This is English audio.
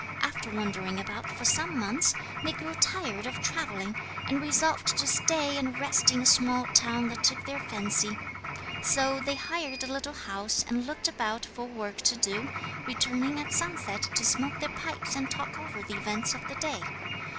After wandering about for some months they grew tired of travelling, and resolved to stay and rest in a small town that took their fancy. So they hired a little house, and looked about for work to do, returning at sunset to smoke their pipes and talk over the events of the day.